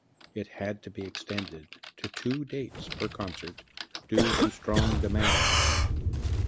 It had to be extended to two dates per concert due to strong demand.